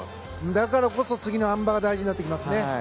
だからこそ次のあん馬が大事になってきますね。